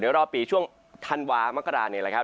ในรอบปีช่วงธันวามกราเนี่ยแหละครับ